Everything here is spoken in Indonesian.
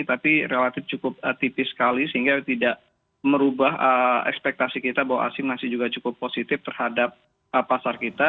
tapi relatif cukup tipis sekali sehingga tidak merubah ekspektasi kita bahwa asing masih juga cukup positif terhadap pasar kita